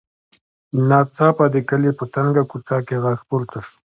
ناڅاپه د کلي په تنګه کوڅه کې غږ پورته شو.